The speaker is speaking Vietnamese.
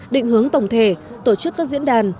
định hướng tổng thể tổ chức các diễn đàn